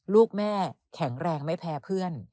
ลูกแม่แข็งแรงไม่แพ้เพื่อน